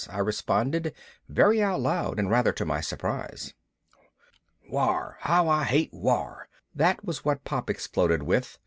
I responded, very out loud and rather to my surprise. "War! How I hate war!" that was what Pop exploded with.